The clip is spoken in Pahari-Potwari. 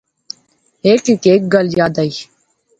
ہیک ہیک گل یاد آئی